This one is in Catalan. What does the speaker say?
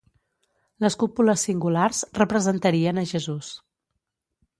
Les cúpules singulars representarien a Jesús.